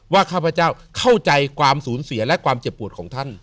ข้าพเจ้าเข้าใจความสูญเสียและความเจ็บปวดของท่าน